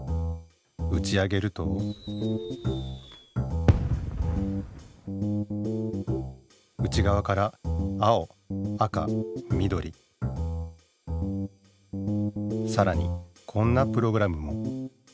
うち上げると内がわから青赤みどりさらにこんなプログラムも。